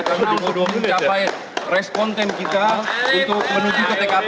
karena untuk mencapai respon tim kita untuk menuju ke tkp